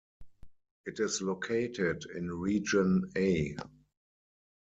It is located in Region A.